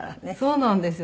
そうなんですよ。